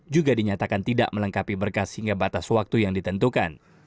juga dinyatakan tidak melengkapi berkas hingga batas waktu yang ditentukan